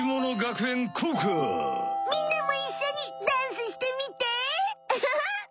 みんなもいっしょにダンスしてみて！